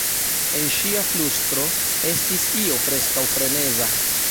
En ŝia flustro estis io preskaŭ freneza.